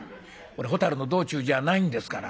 蛍の道中じゃないんですから。